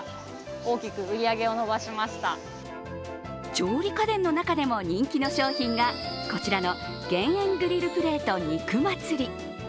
調理家電の中でも人気の商品がこちらの減煙グリルプレート肉祭り。